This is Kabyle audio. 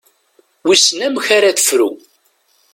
Wissen amek ara tefru.